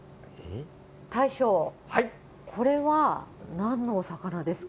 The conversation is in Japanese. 大将、これはなんのお魚ですか。